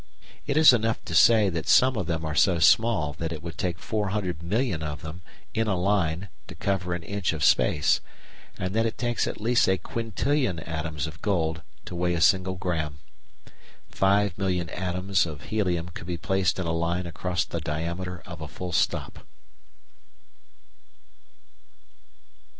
It is enough to say that some of them are so small that it would take 400,000,000 of them, in a line, to cover an inch of space; and that it takes at least a quintillion atoms of gold to weigh a single gramme. Five million atoms of helium could be placed in a line across the diameter of a full stop.